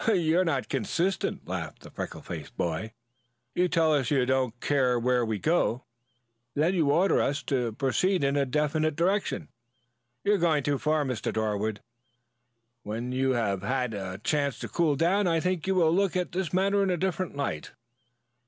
"You are not consistent," laughed the freckle faced boy. "You tell us you don't care where we go, then you order us to proceed in a definite direction. You are going too far, Mr. Darwood. When you have had a chance to cool down I think you will look at this matter in a different light.